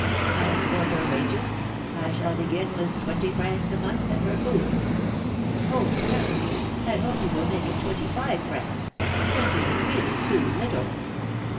As for her wages, I shall begin with twenty francs a month and her food.' 'Oh, sir, I hope you will make it twenty five francs, twenty is really too little!'